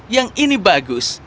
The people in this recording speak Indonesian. yang ini bagus